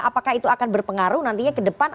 apakah itu akan berpengaruh nantinya ke depan